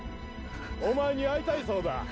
おまえに会いたいそうだ。